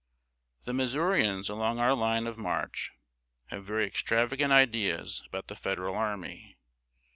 ] The Missourians along our line of march have very extravagant ideas about the Federal army.